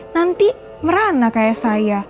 nanti merana seperti saya